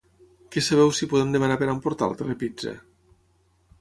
Que sabeu si podem demanar per emportar al Telepizza?